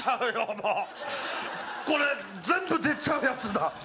もうこれ全部出ちゃうやつだ